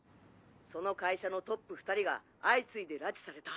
その会社のトップ２人が相次いで拉致された。